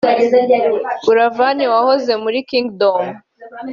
Buravani wahoze muri Kingdom